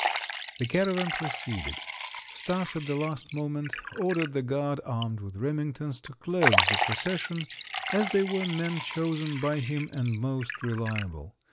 The caravan proceeded. Stas at the last moment ordered the guard, armed with Remingtons, to close the procession, as they were men chosen by him, and most reliable.